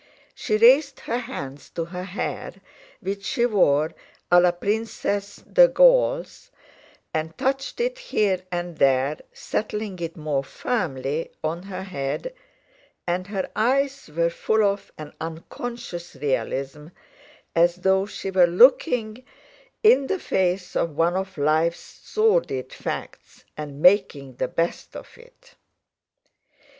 She raised her hands to her hair, which she wore à la Princesse de Galles, and touched it here and there, settling it more firmly on her head, and her eyes were full of an unconscious realism, as though she were looking in the face one of life's sordid facts, and making the best of it.